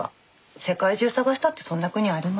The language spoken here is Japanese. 世界中探したってそんな国ありません。